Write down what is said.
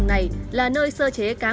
đây là chả cá